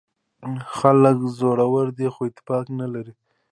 خلک زړور دي خو اتفاق نه لري.